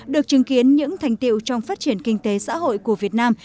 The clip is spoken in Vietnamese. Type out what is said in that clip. được chứng kiến những thành tiệu trong phát triển kinh tế xã hội của việt nam